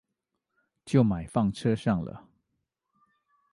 就買放車上了